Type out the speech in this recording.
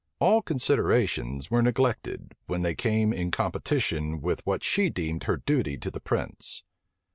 All considerations were neglected, when they came in competition with what she deemed her duty to the prince.